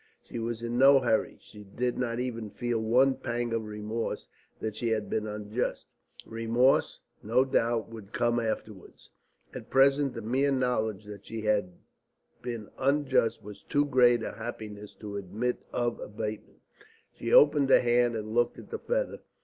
She was in no hurry. She did not even feel one pang of remorse that she had been unjust. Remorse, no doubt, would come afterwards. At present the mere knowledge that she had been unjust was too great a happiness to admit of abatement. She opened her hand and looked at the feather.